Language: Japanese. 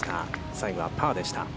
最後はパーでした。